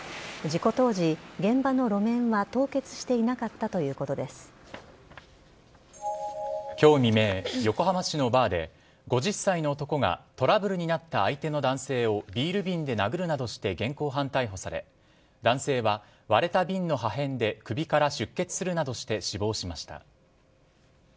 事故当時、現場の路面は凍結していなかった今日未明、横浜市のバーで５０歳の男がトラブルになった相手の男性をビール瓶で殴るなどして現行犯逮捕され男性は割れた瓶の破片で首から出血するなどして死亡しました。